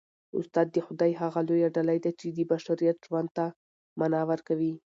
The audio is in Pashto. استاد د خدای هغه لویه ډالۍ ده چي د بشریت ژوند ته مانا ورکوي.